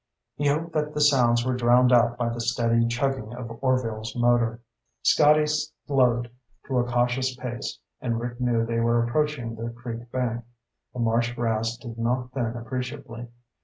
He hoped that the sounds were drowned out by the steady chugging of Orvil's motor. Scotty slowed to a cautious pace and Rick knew they were approaching the creek bank. The marsh grass did not thin appreciably.